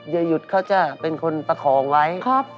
อย่าหยุดเขาจะเป็นคนประคองไว้